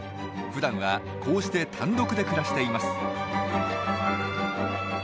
ふだんはこうして単独で暮らしています。